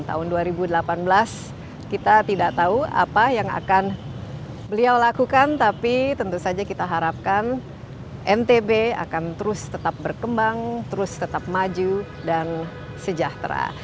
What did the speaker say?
tahun dua ribu delapan belas kita tidak tahu apa yang akan beliau lakukan tapi tentu saja kita harapkan ntb akan terus tetap berkembang terus tetap maju dan sejahtera